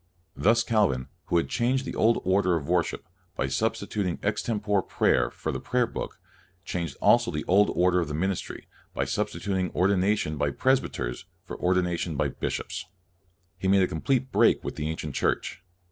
Thus Cal vin, who had changed the old order of worship, by substituting extempore prayer for the prayer book, changed also the old order of the ministry, by substitut ing ordination by presbyters for ordi nation by bishops. He made a complete break with the Ancient Church.